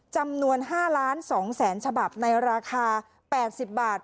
จำนวน๕๒๐๐๐๐๐ฉบับในราคา๘๐บาท